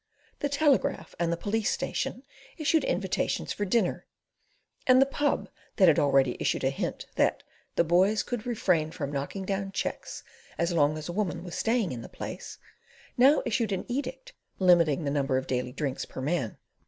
The Telegraph and the Police Station issued invitations for dinner, and the "Pub" that had already issued a hint that "the boys could refrain from knocking down cheques as long as a woman was staying in the place" now issued an edict limiting the number of daily drinks per man.